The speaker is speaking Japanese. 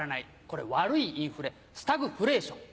これ悪いインフレスタグフレーション。